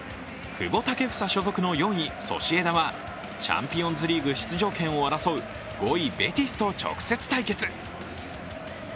久保建英所属の４位・ソシエダはチャンピオンズリーグ出場権を争う５位ベティスと直接対決。